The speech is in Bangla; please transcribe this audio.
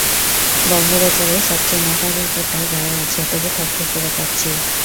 বঙ্গ বাজারের সবচেয়ে মোটা জ্যাকেটটা গায়ে আছে তবু ঠকঠক করে কাঁপছি।